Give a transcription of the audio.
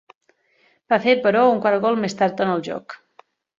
Va fer, però, un quart gol més tard en el joc.